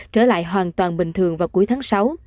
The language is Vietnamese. trở lại hoàn toàn bình thường vào cuối tháng sáu